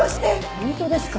本当ですか？